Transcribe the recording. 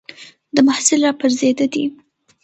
د محصل را پرځېده دي